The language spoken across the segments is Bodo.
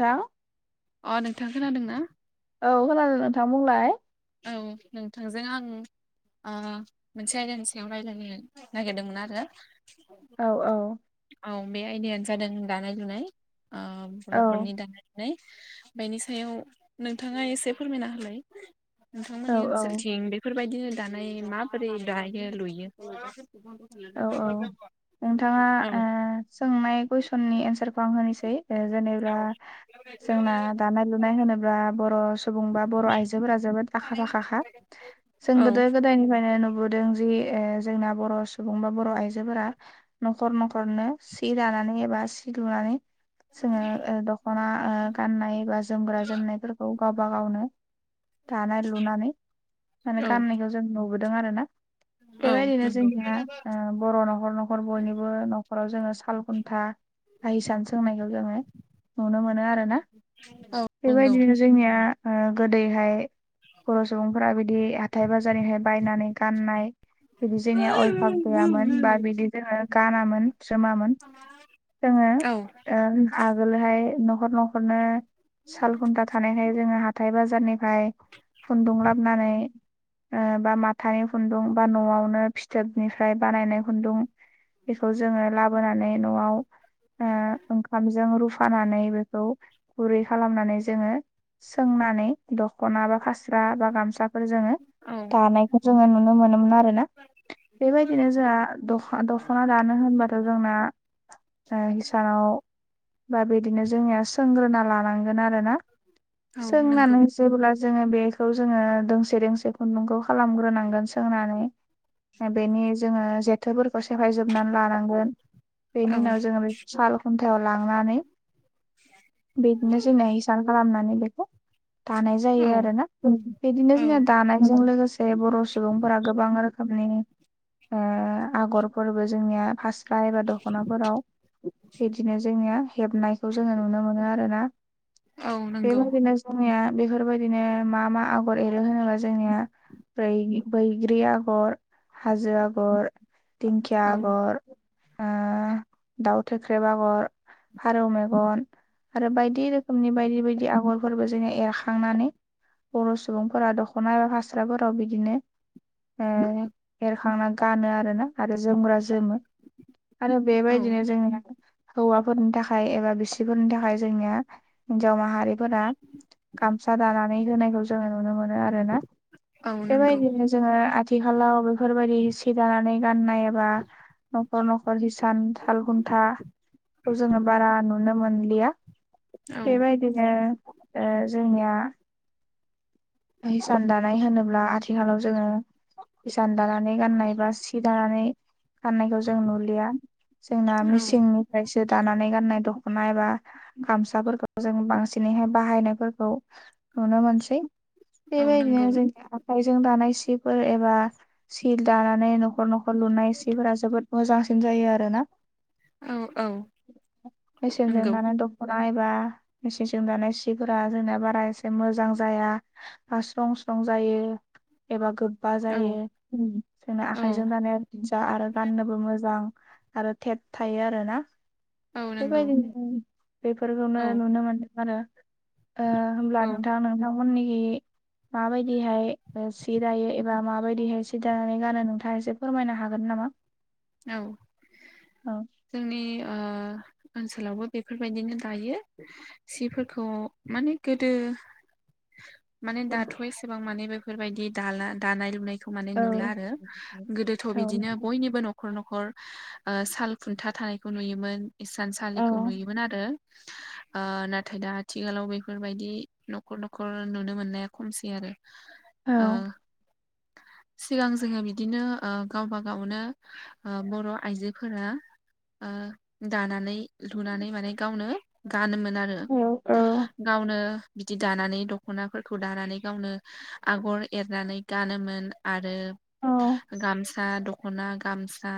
इऔ अ नोंथां खोनादों ना? औ खोनादों नोंथां बुंलाय। औ नोंथांजों आं ओ मोनसे आयदानि सिायाव रायज्लायनो नागिरदोंमोन आरो। औ औ बे आइदायानो जादों दानाय लुनाय। ओ औ बरफोरनि दानाय बेनि सायाव नोंथाङा एसे फोरमायना होलाय। औ नोंथांमोननि ओनसोलथिं बेफोरबायदिनो दानाय माबोरै दायो लुयो। औ औ [unintelligible] नोंथाङा औ ओ सोंनाय कुइसननि एन्सारखौ आं होनोसै जेनेबा जोंना दानाय लुनाय होनोब्ला बर सुबुं बा बर आइजोफोरा जोबोद आखा फाखाखा जों गोदो गोदायनिफ्रायनो नुबोदों जि ओ जोंना बर सुबुंबा बर आइजोफोरा नखर नखरनो सि दानानै एबा सि लुनानै [inaudible] जोङो दखना गाननाय बा जोमग्रा जोमनायफोरखौ गावबा गावनो। दानाय लुनानै माने औ औ गाननायखौ जों नुबोदों आरो ना। औ बेबायदिनो नंगौ जोंनिया बर नखर नखर बयनिबो नखराव जोङो साल खुन्था। बा हिसान सोंनायखौ जोङो नुनो मोनो आरो ना औ नंगौ बेबायदिनो जोंनिया गोदैहाय। बर सुबुंफोरा बिदि हाथाय बाजारनिफ्राय बायनानै गाननाय बिदि जोंनिया भाग गैयामोन बा बिदि जोङो गानामोन। सोमामोन जोङो औ आगोलोहाय नखर नखरनो साल खुन्था थानायखाय जोङो हाथाइ बाजारनिफ्राय खुन्दुं लाबोनानै ओ बा माथानि खुन्दुं बा नआवनो फिथोब निफ्राय बानायनाय खुन्दुं बेखौ जोङो लाबोनानै नआव ओ [unintelligible] ओंखामजों रुफानानै बेखौ गुरै खालामनानै जोङो। सोंनानै दखना बा खास्रा बा गामसाफोर जोङो। औ दानायखौ जोङो नुनो मोनोमोन आरो ना। बेबायदिनो जोंहा दखना दानो होनबाथ जोंना हिसानाव बा बिदिनो जोंनिया सोंग्रोना लानांगौ आरो ना औ नंगौ सोंनानै जेब्ला जोङो बेखौ जोङो दोंसे दोंसे खुन्दुंखौ खालामग्रोनांगोन सोंनानै बेनि जोङो जेथोफोर खौ सेफाय जोबनानै लानांगोन बेनि औ उनाव जो साल याव लांनानै बिदिनो जोंनि हिसार खालामनानै बेखौ दानाय जायो औ आरोना बिदिनो औ जोंना दानायजों लोगोसे बर सुबुंफोरा गोबां रोखोमनि ओ आगरफोरबो जोंनिया फार सा एबा दखनाफोराव बिदिनो जोंनिया हेबनायखौ जोङो नुनो मोनो आरो ना। औ नंगौ बेबायादिनो जोंनिया बेफोरबायदिनो मा मा आगर एरो होनोब्ला जोंनिया बै बैग्रि आगर। हाजो आगर दिंखिया औ आगर ओ [inaudible] दाउ थोख्रेब आगर फारौ मेगन आरो बायदि रोखोमनि बायदि बायदि आगरफोरबो जोङो एरखांनानै बर सुबुंफोरा दखना एबा फास्राफोराव बिदिनो ओ एरखांना गानो आरोना आरो जोमग्रा जोमो आरो औ बेबायदिनो जोंनिया हौवाफोरनि थाखाय एबा बिसिफोरनि थाखाय जोंनिया हिन्जाव माहारिफोरा गामसा दानानै होनायखौ जोङो नुनो मोनो आरोना औ नंगौ बेबायदिनो जोङो आथि खालाव बेफोरबायदि सि दानानै गाननाय एबा नखर नखर हि सान सालघुन्थाखौ जोङो बारा नुनो मोनलिया। औ बेबायदिनो ओ जोंनिया हिसान दानाय होनोब्ला आथिखालाव जोङो इसान दानानै गाननाय बा सि दानानै गाननायखौ जों नुलिया। जोंना औ मिसिंनिफ्रायसो दानानै गाननाय द खना बा गामसाफोरखौ जों बांसिनैहाय बाहायनायफोरखौ नुनो मोनसै। औ बेबायदिनो नंगौ जोंनि आखाइजों दानाय सिफोर एबा सिल दानानै नख न'खर न'खर लुनाय सिफोरा जोबोद मोजांसिन जायो आरो ना। औ औ [unintelligible] मेसिनजों नंगौ दानाय दख'ना बा मेसेंजों दानाय सिफोरा जोंना बारा एसे मोजां जाया। ह स्रं स्रं जायो एबा गो बा औ जायो जोंना औ आखाइजों दानाय जा आरो गाननोबो मोजां। आरो टेट थायो आरो ना। औ नंगौ बेबायदिनो बेफोरखौनो औ नुनो मोनदों आरो। ओ होमब्ला औ नोंथां नोंथांमोन निखि माबायदिहाय ओ सि दायो एबा माबायदिहाय सि दानानै गानो नोंथाङा एसे फोरमायनो हागोन नामा? औ औ जोंनि ओ ओनसोलावबो बेफोरबायदिनो दायो सिफोरखौ माने गोदो माने दाथ' औ एसेबां माने बेफोर बादि दाला दानाय लुनाय माने नुला आरो गोदोथ' औ बिदिनो बयनिबो न'खर न'खर ओ साल खुन्था थानायखौ नुयोमोन। इसान औ सालिखौ नुयोमोन आरो। [unintelligible] ओ नाथाय दा आथिखालाव बेफोरबायदि न'खर न'खर नुनो मोननाया खमसै आरो। ओ औ। सिगां जोङो बिदिनो ओ गावबा गावनो ओ बर' आइजोफोरा ओ दानानै लुनानै माने गावनो गानोमोन। आरो औ औ गावनो बिदि दानानै दखनाफोरखौ दानानै गावनो आगर एरनानै गानोमोन आरो औ रो गामसा दख'ना गामसा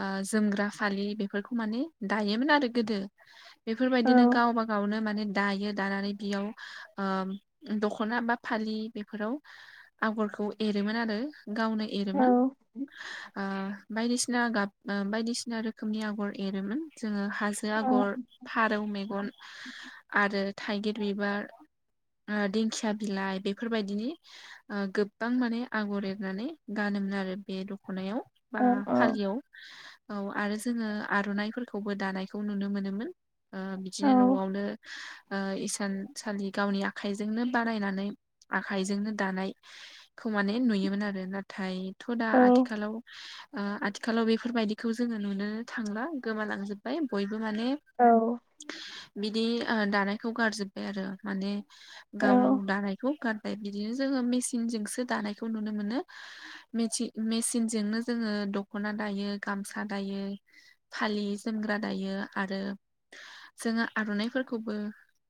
ओ जोमग्रा फालि बेफोरखौ माने दायोमोन आरो गोदो। औ बेफोरबायदिनो गावबा गावनो माने दायो दानानै बियाव ओम दखना बा फालि बेफोराव आगर खौ एरोमोन आरो गावनो औ एरोमोन। ओ बायदिसिना गाब ओ बायदिसिना रोखोमनि आगर एरोमोन जोङो हाजो औ आगर फारौ मेगन आरो थाइगिर बिबार। ओ दिंखिया बिलाइ बेफोरबायदिनि ओ गोबां माने आगर एरनानै गानो मोन आरो बे दख'नायाव बा औ फालियाव। औ आरो जोङो आर'नाइफोरखौबो दानायखौ नुनो मोनोमोन। ओ औ बिदिनो न'आवनो ओ इसान सालि गावनि आखाइजोंनो बानायनानै। आखाइजोंनो दानायखौ माने नुयोमोन आरो नाथायथ' दा औ आथिखालाव ओ आथिखालाव बेफोरबायदिखौ जोङो नुनो थांला गोमालांजोब्बाय बयबो। बिदि माने बिदि ओ दानायखौ गारजोब्बाय आरो माने। औ गाव दानायखौ गार। ओमफ्राय बिदिनो जोङो मेसिनजोंसो दानायखौ नुनो मोनो मेनजोंनो। जोङो दख'ना दायो गामसा दायो फालि जोमग्रा दायो आरो। जोङो आर'नाइफोरखौबो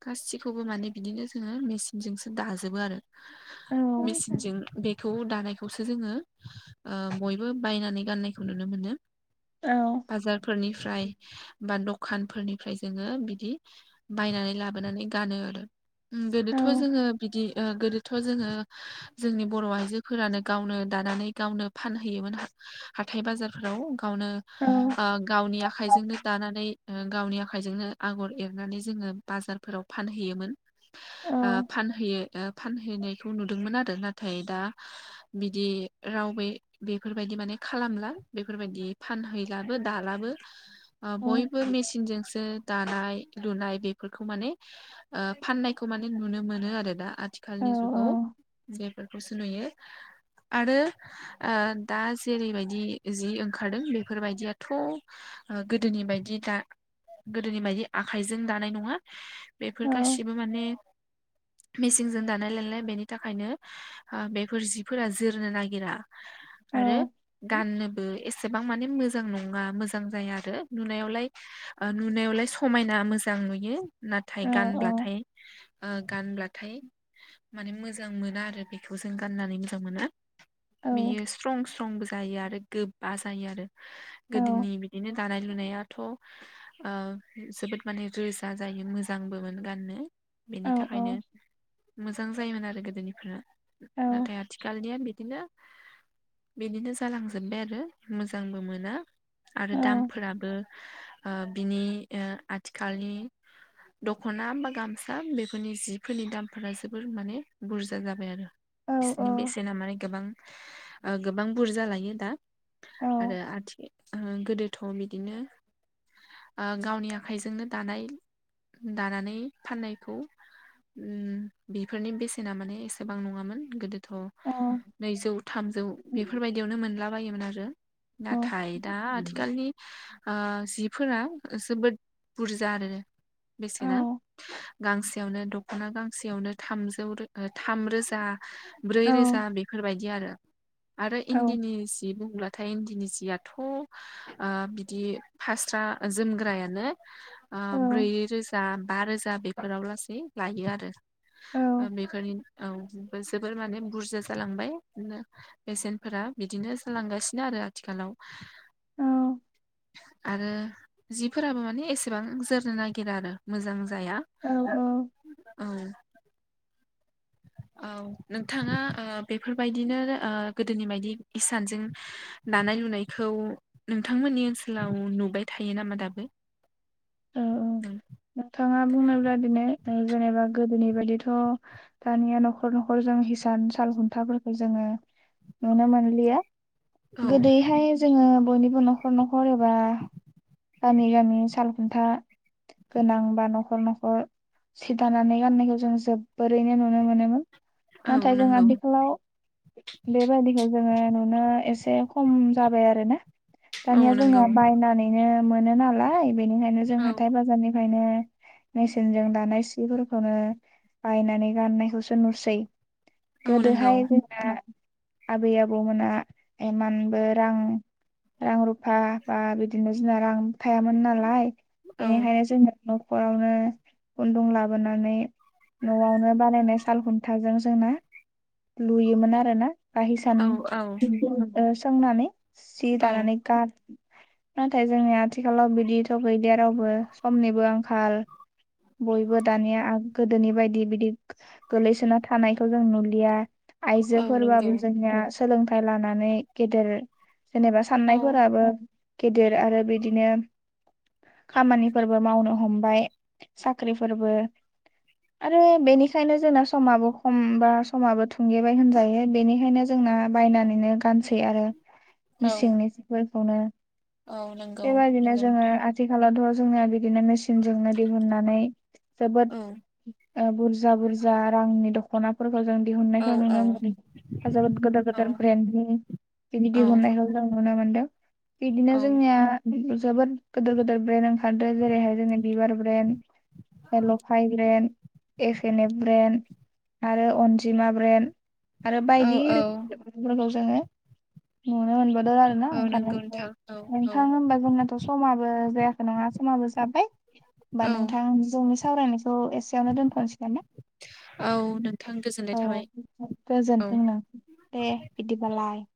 गासिखौबो माने बिदिनो जोङो मेचिनजोंसो दाजोबो आरो। औ मेचनजों बेखौ दानायखौसो जोङो ओ बबो। बयबो बायनानै गाननायखौ नु नो मोनो बाजार फोरनिफ्राय ब द। दखानफोरनिफ्राय जोङो बिदि बायनानै लाबोनानै गानो आरो। ओम औ गोदोथ' जोङो। जानानै गावनो फान है। होयोमोन हाथथाय बाजारफोराव गावनो आ गावनि आखायजोंनो दानानै ओ गावनि आखाइजोंनो आगर एरनानै जोङो बाजारफोराव फानहैयोमोन। ओ फानहैयो। ओ फानहैनायखौ नुदोंमोन आरो नाथाय दा बिदि रावबो बेफोरबायदि माने खालामला बेफोरबायदि फानहैलाबो दालाबो। ओ बयबो मेसिनजोंसो दानाय लुनाय बेफोरखौ माने ओ फाननायखौ माने नुनो मोनो आरो दा आथिखालनि जुगाव बेफोरखौसो नुयो आरो दा जेरैबायदि जि ओंखारदों बेफोरबायदियाथ' ओ गोदोनि बायदि दा गोदोनि बायदि आखाइजों दानाय नङा बेफोर गासिबो माने मेचिनजों दानाय लालाय बेनि थाखायनो ओ बेफोर जिफोरा जोरनो नागिरा आरो गाननोबो एसे बां माने मोजां नङा मोजां जाया आरो नुनायावलाय ओ नुनायावलाय समायना मोजां नुयो। नाथाय गानब्लाथाय ओ गानब्लाथाय माने मोजां मोना आरो बेखौ जों गाननानै मोजां मोना। बियो स्ट्रं स्ट्रंबो जायो आरो गोबा जायो आरो गोदोनि बिदिनो दानाय लुनाया दाथ' ओ जोबोद माने रोजा जायो मोजांबोमोन गाननो बेनि थाखायनो मोजां जायोमोन आरो गोदोनिफोरा नाथाय आथिखालनिया बिदिनो बिदिनो जालांजोबबाय आरो मोजांबो मोना आरो दामफोराबो ओ बिनि ओ आथिखालनि दख'ना बा गामसा बेफोरनि जिफोरनि दामफोरा जोबोर माने बुरजा जाबाय आरो बिसिनि बेसेना माने गोबां ओ गोबां बुरजा लायो दा आरो आथि ओ गोदोथ' बिदिनो ओ गावनि आखाइजोंनो दानाय दानानै फाननायखौ उम बेफोरनि बेसेना माने एसेबां नङामोन गोदो थ' नैजौ थामजौ बेफोरबायदियावनो मोनला बायोमोन आरो नाथाय दा आथिखालनि आ जिफोरा जोबोद बुरजा आरो बेसेना गांसेयावनो दख'ना गांसेयावनो थामजौ रो- थामरोजा ब्रै रोजा बेफोरबायदि आरो आरो इन्दिनि सि बुं ब्लाथाय इन्दिनि जियाथ' ओ बिदि फास्रा जोमग्रायानो आ ब्रै रोजा बा रोजा बेफोराव लासै लायो आरो ओ बेफोरनि औ जोबोर माने बुरजा जालांबाय बिदि बेसेनफोरा बिदिनो जालांगासिनो आरो आथिखालाव आरो जिफोराबो माने एसेबां जोरनो नागिरा आरो मोजां जाया औ [inaudible] औ नोंथाङा ओ बेफोरबायदिनो ओ गोदोनि बायदि इसानजों लानाय लुनायखौ नोंथांमोननि ओनसोलाव नुबाय थायो नामा दाबो? औ नोंथाङा बुंनायब्ला दिनै जों जेनेबा गोदोनि बायदिथ' दानिया न'खर न'खर जों हिसान साल हुन्थाफोरखौ जों जोङो नुनो मोनलिया औ गोदैहाय जोङो बयनिबो न'खर नख'र एबा गामि गामि सालखुन्था गोनां बा न'खर न'खर सिदानानै गाननायखौ जों जोबोरैनो नुनो मोनोमोन। औ नाथाय जों नंगौ आथिखालाव बेबायदिखौ जोङो नुनो एसे एसे खम जाबाय आरो ना औ दानिया नंगौ जोंना बायनानैनो मोनो नालाय। बेनिखायनो जों औ हाथाय बाजारनिफ्रायनो मेसेनजों दानाय सिफोरखौनो बायनानै गाननायखौसो नुसै। औ नंगौ गोदोहाय जोंना आबै आबौमोना इमानबो रां रां रुफा बा बिदि बिदिनो जोंना रां थायामोन नालाय औ बेनिखायनो जोंनो न'खरावनो खुन्दुं लाबोनानै न'आवनो बानायनाय साल खुन्थाजों जोंना लुयोमोन आरो ना। बा हिसान औ औ सोंनानै सि औ दानानै गान नाथाय जोंनि आथिखालाव बिदिथ' गैलिया रावबो समनिबो आंखाल। बयबो दानिया आ गोदोनि बायदि बिदि गोलैसोना थानायखौ जों नुलिया। औ नंगौ आइजोफोरबाबो जोंनिया सोलोंथाइ लानानै गेदेर जेनेबा औ साननायफोराबो गेदेर आरो बिदिनो खामानिफोरबो मावनो हमबाय साख्रिफोरबो आरो बेनिखायनो जोंना समाबो खम बा समाबो थुंगेबाय होनजायो, बेनिखायनो जोङो दाना बायनानैनो गानसै आरो। औ मिसिंनि सिफोरखौनो औ नंगौ बेबायदिनो नंगौ जोङो नोंथां आथिखालावथ' जोङो बिदिनो मेसिनजोंनो दिहुननानै जोबोद औ ओ बुरजा बुरजा रांनि दख'नाफोर खौ जों औ दिहुननायखौ औ नुनो मोनो, जोबोद गोदोर औ गोदोर ब्रेन्डनि बिनि दिहुननायखौ जों नुनो मोनदों। बिदिनो औ जोंनिया जोबोद गोदोर गोदोर ब्रेन्ड ओंखारदों जेरैहाय जोंनि बिबार ब्रेन्ड लफाय brand, F N F brand आरो अनजिमा ब्रेन्ड। आरो औ बायदि औ रोखोमनि जोङो नुनो मोनबावदों आरोना औ नंगौ ओंखारनायखौ, नोंथां औ औ नोंथां होनबा जोंनाथ' समाबो जायाखै नङा समाबो जाबाय, होमबा औ नोंथां जोंनि सावरायनाय खौ एसेयावनो दोनथ'नोसै नामा? औ नोंथां गोजोननाय औ थाबाय औ गोजोनथों, दे बिदिबालाय।